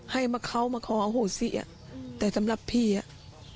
ให้มาเขามาขอโหสิอ่ะแต่สำหรับพี่อ่ะ